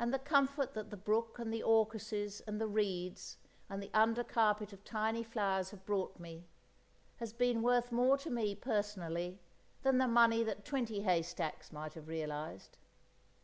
And the comfort that the brook and the orchises and the reeds and the under carpet of tiny flowers have brought me, has been worth more to me, personally, than the money that twenty haystacks might have realised.